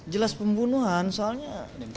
jelas pembunuhan soalnya